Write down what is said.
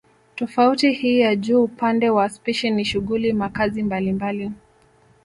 Tofauti hii ya juu upande wa spishi ni shughuli makazi mbalimbali